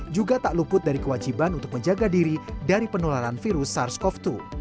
juga tak luput dari kewajiban untuk menjaga diri dari penularan virus sars cov dua